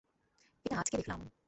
এটা আজকে দেখলাম।